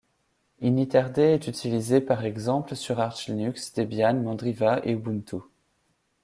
Initrd est utilisé, par exemple, sur ArchLinux, Debian, Mandriva et Ubuntu.